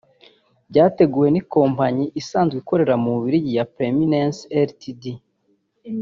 byateguwe n’ikompanyi isanzwe ikorera mu Bubiligi ya Preeminence Ltd